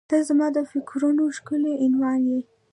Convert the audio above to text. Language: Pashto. • ته زما د فکرونو ښکلی عنوان یې.